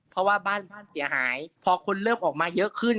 เพราะว่าบ้านเสียหายพอคนเริ่มออกมาเยอะขึ้น